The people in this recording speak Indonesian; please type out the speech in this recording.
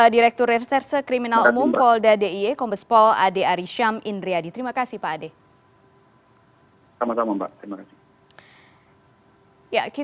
direktur reserse kriminal umum polda diy kombes pol ade arisyam indri adi